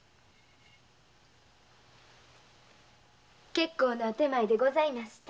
結構なお点前でございました。